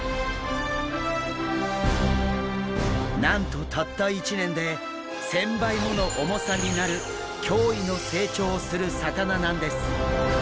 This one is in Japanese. なんとたった１年で１０００倍もの重さになる驚異の成長をする魚なんです！